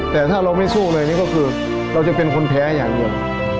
แต่ถ้าเราไม่สู้เลยนี่ก็คือเราจะเป็นคนแพ้อย่างเดียว